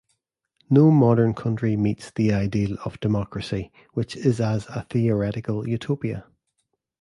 No modern country meets the ideal of democracy, which is as a theoretical utopia.